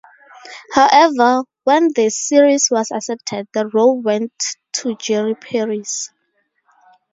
However, when the series was accepted, the role went to Jerry Paris.